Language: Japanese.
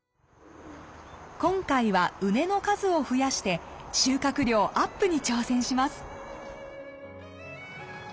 今回は畝の数を増やして収穫量アップに挑戦します。